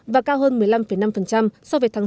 và cao hơn một mươi năm năm so với tháng tám